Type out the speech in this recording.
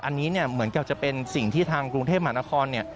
อันนี้เนี่ยเหมือนกับจะเป็นสิ่งที่ทางกรุงเทพมหานคร